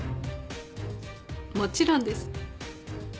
もちろんです。